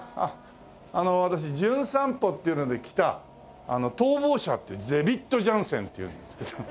あの私『じゅん散歩』っていうので来た『逃亡者』っていうデビッド・ジャンセンっていうんですけど。